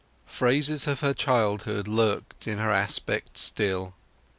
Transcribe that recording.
Phases of her childhood lurked in her aspect still.